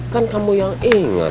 kan kamu yang ingat